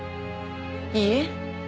いいえ。